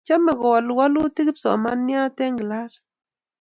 Chomei ko wolu wolutik kipsimaniat eng' kilasit